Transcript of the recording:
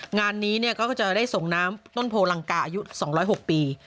งานนี้ก็จะได้ส่งน้ำต้นโพลังกาอายุ๒๐๖ปี